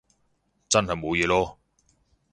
真係冇嘢囉